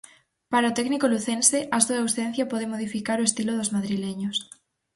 Para o técnico lucense, a súa ausencia, pode modificar o estilo dos madrileños.